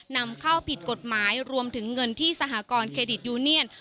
นำเข้าผิดกฎหมายรวมถึงเงินที่สหกรณเครดิตยูเนียน